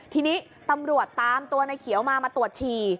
ทีนี้ตำรวจตามตัวในเขียวมามาตรวจฉี่